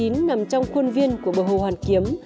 nhà ga c chín nằm trong khuôn viên của bờ hồ hoàn kiếm